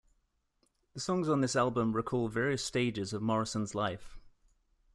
The songs on this album recall various stages of Morrison's life.